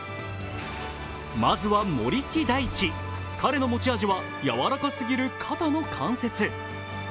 まずは森木大智、彼の持ち味はやわらかすぎる肩の関節。